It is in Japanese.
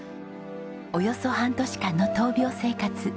およそ半年間の闘病生活。